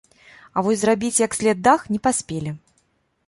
А вось зрабіць як след дах не паспелі.